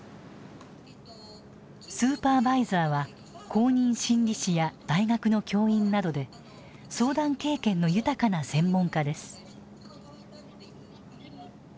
スーパーバイザーは公認心理士や大学の教員などで相談経験の豊かな専門家です。